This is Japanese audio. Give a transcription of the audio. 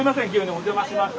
お邪魔しました。